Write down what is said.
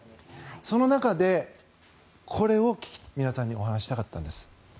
その中で、これを皆さんにお話ししたかったんです。